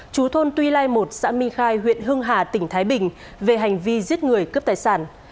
chú thôn tuy lai một xã minh khai huyện hưng hà tỉnh thái bình về hành vi giết người cướp tài sản